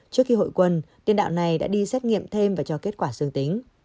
trước khi hội quân tiền đạo này đã đi xét nghiệm thêm và cho kết quả xương tính